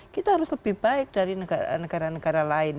kita harus lebih baik dari negara negara lain